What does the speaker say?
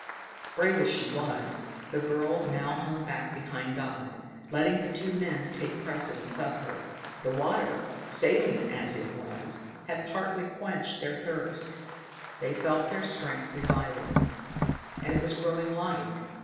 Brave as she was, the girl now hung back behind Dodd, letting the two men take precedence of her. The water, saline as it was, had partly quenched their thirst. They felt their strength reviving. And it was growing light.